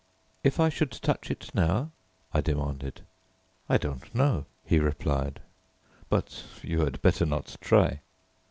"If I should touch it now?" I demanded. "I don't know," he replied, "but you had better not try."